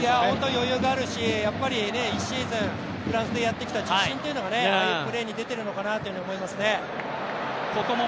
余裕があるし、１シーズンフランスでやってきた自信っていうのがああいうプレーに出ているのかなと思いますね。